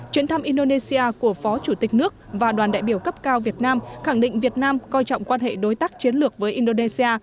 chuyến thăm indonesia của phó chủ tịch nước và đoàn đại biểu cấp cao việt nam khẳng định việt nam coi trọng quan hệ đối tác chiến lược với indonesia